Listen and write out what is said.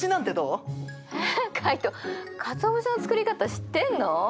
えっカイトかつお節の作り方知ってんの？